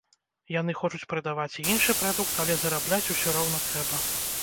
Яны хочуць прадаваць і іншы прадукт, але зарабляць ўсё роўна трэба.